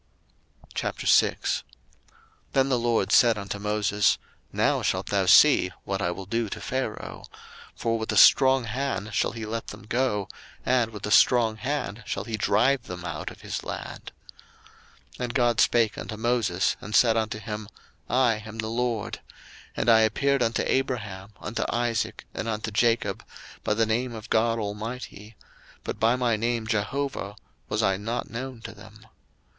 02:006:001 Then the LORD said unto Moses, Now shalt thou see what I will do to Pharaoh: for with a strong hand shall he let them go, and with a strong hand shall he drive them out of his land. 02:006:002 And God spake unto Moses, and said unto him, I am the LORD: 02:006:003 And I appeared unto Abraham, unto Isaac, and unto Jacob, by the name of God Almighty, but by my name JEHOVAH was I not known to them.